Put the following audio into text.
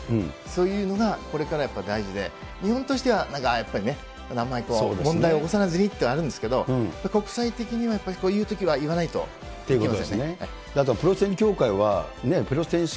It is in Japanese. そういうのがこれからやっぱり大事で、日本としてはやっぱりね、あんまり問題を起こさずにっていうのもあるんですけど、国際的にはやっぱり、言うときは言わないということですね。